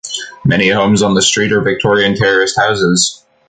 Many homes on the streets are Victorian terraced houses.